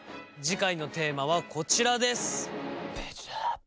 次回のテーマはこちらです。